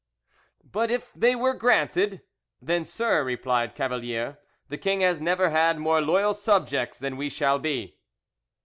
"But if they were granted—?" "Then, sir," replied Cavalier, "the king has never had more loyal subjects than we shall be."